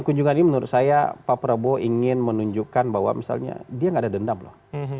kunjungan ini menurut saya pak prabowo ingin menunjukkan bahwa misalnya dia nggak ada dendam loh